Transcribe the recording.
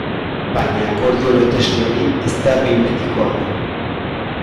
Baina akordio lotesle hori ez da behin betikoa.